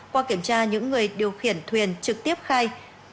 qua kiểm tra những người điều khiển thuyền trực tiếp khai